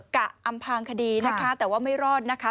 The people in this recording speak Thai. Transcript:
ะอำพางคดีนะคะแต่ว่าไม่รอดนะคะ